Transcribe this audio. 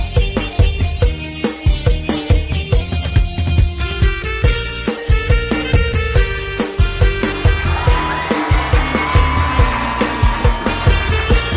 แต่แค่เกมส์